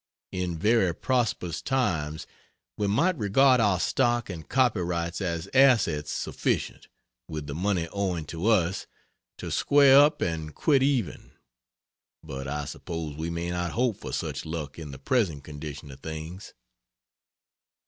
In very prosperous times we might regard our stock and copyrights as assets sufficient, with the money owing to us, to square up and quit even, but I suppose we may not hope for such luck in the present condition of things.